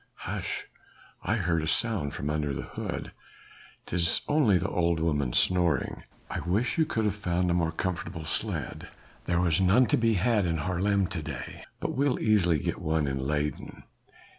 "Hush! I heard a sound from under the hood." "'Tis only the old woman snoring." "I wish you could have found a more comfortable sledge." "There was none to be had in Haarlem to day. But we'll easily get one in Leyden."